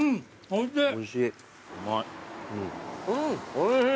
おいしい。